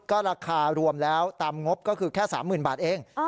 ก็ราคารวมแล้วตามงบก็คือแค่๓๐๐๐บาทเอง